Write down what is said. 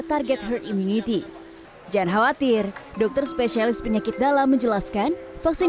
target herd immunity jangan khawatir dokter spesialis penyakit dalam menjelaskan vaksin